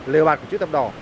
lều bạt của chữ tập đỏ